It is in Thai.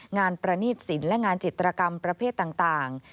ประณีตสินและงานจิตรกรรมประเภทต่าง